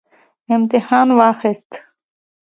امتحان واخیست